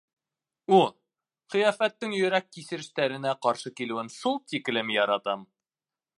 О, ҡиәфәттең йөрәк кисерештәренә ҡаршы килеүен шул тиклем яратам!